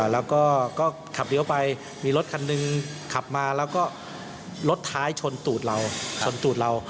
แล้วก็ขับเลี้ยวไปมีรถคันหนึ่งขับมาแล้วก็รถท้ายชนตูดเราชนตูดเรา